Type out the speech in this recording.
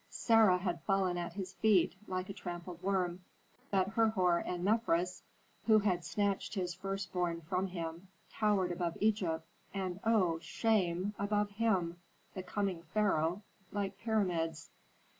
Sarah had fallen at his feet, like a trampled worm; but Herhor and Mefres, who had snatched his first born from him, towered above Egypt, and, oh, shame! above him, the coming pharaoh, like pyramids.